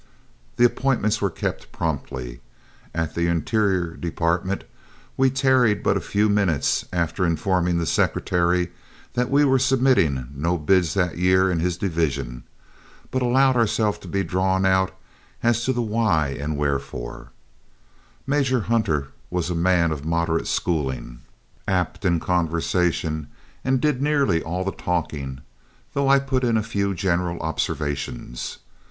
The appointments were kept promptly. At the Interior Department we tarried but a few minutes after informing the Secretary that we were submitting no bids that year in his division, but allowed ourselves to be drawn out as to the why and wherefore. Major Hunter was a man of moderate schooling, apt in conversation, and did nearly all the talking, though I put in a few general observations.